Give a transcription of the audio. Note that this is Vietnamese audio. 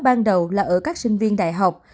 ban đầu là ở các sinh viên đại học